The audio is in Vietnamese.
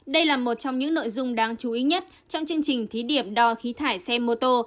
đây là một trong những nội dung đáng chú ý nhất trong chương trình thí điểm đo khí thải xe mô tô